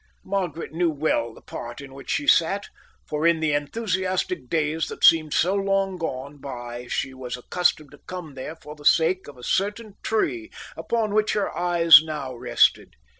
Margaret knew well the part in which she sat, for in the enthusiastic days that seemed so long gone by she was accustomed to come there for the sake of a certain tree upon which her eyes now rested.